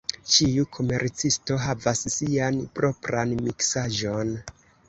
Ĉiu komercisto havas sian propran miksaĵon.